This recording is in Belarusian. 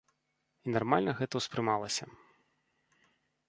І нармальна гэта ўспрымалася.